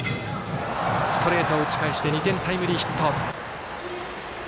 ストレートを打ち返して２点タイムリーヒット。